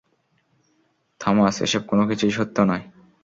Thomas, এসব কোনকিছুই সত্য নয়!